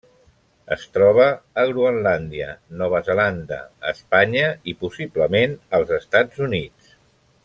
Es troba a Groenlàndia, Nova Zelanda, Espanya i possiblement als Estats Units.